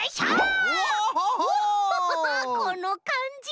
このかんじ！